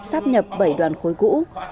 sắp nhập bảy đoàn khối cũ